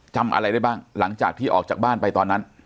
จำอะไรได้บ้างหลังจากที่ออกจากบ้านไปตอนนั้น